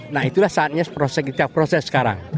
nah itulah saatnya proses kita proses sekarang